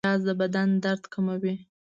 پیاز د بدن درد کموي